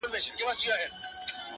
o خوار سړى، ابلک ئې سپى٫